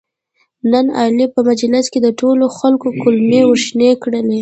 نن علي په مجلس کې د ټولو خلکو کولمې ورشنې کړلې.